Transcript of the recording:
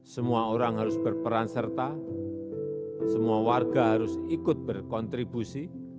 semoga warga harus ikut berkontribusi